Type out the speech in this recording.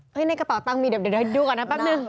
ในกระเป๋าตังค์มีเดี๋ยวดูก่อนนะแป๊บนึง